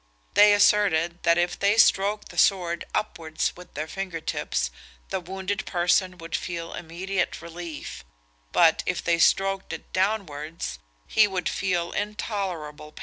They asserted, that if they stroked the sword upwards with their fingers, the wounded person would feel immediate relief; but if they stroked it downwards, he would feel intolerable pain.